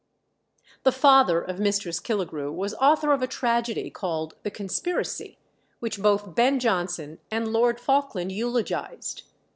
The father of Mistress Killigrew was author of a tragedy called The Conspiracy, which both Ben Jonson and Lord Falkland eulogised.